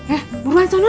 eh buruan sono